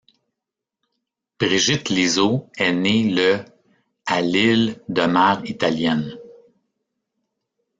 Brigitte Liso est née le à Lille de mère italienne..